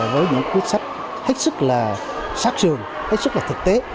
với những quyết sách hết sức là sát sườn hết sức là thực tế